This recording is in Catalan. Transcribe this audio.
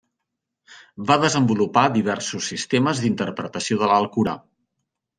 Va desenvolupar diversos sistemes d'interpretació de l'Alcorà.